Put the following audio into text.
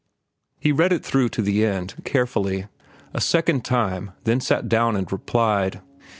He read it through to the end, carefully, a second time, then sat down and replied.